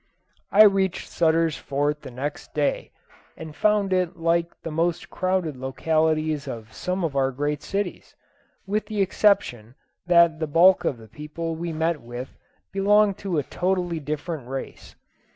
I reached Sutter's Fort the next day, and found it like the most crowded localities of some of our great cities, with the exception that the bulk of the people we met with belonged to a totally different race.